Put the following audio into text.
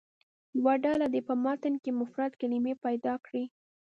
یوه ډله دې په متن کې مفرد کلمې پیدا کړي.